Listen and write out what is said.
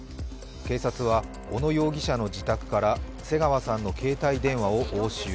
警察は小野容疑者の自宅から瀬川さんの携帯電話を押収。